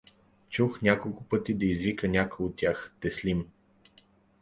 Чух няколко пъти да извика някой от тях: „Теслим!“